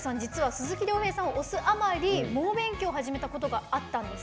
鈴木亮平さんを推すあまり猛勉強を始めたことがあったんです。